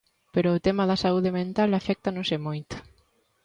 Pero o tema da saúde mental aféctanos e moito.